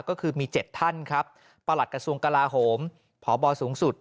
ก็คือมี๗ท่านครับประหลัดกระทรวงกลาโหมพบสูงสุด